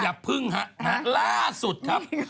อย่าพึ่งฮะล่าสุดครับ